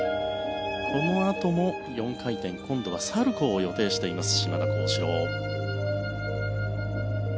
このあとも４回転今度はサルコウを予定しています。